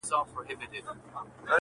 دا د غازیانو شهیدانو وطن؛